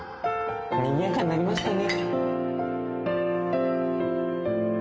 にぎやかになりましたね